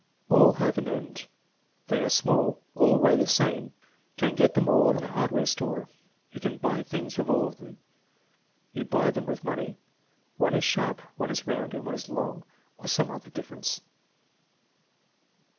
"All have an end." "They are small." "All weigh the same." "Can get them all at a hardware store." "You can buy things with all of them." "You buy them with money." "One is sharp, one is round, and one is long" (or some other difference).